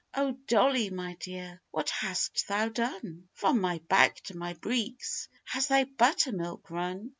'O, Dolly, my dear, what hast thou done? From my back to my breeks has thy butter milk run.